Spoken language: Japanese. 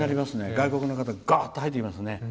外国の方がーっと入ってきますからね。